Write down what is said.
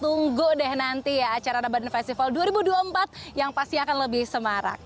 tunggu deh nanti ya acara ramadan festival dua ribu dua puluh empat yang pasti akan lebih semarak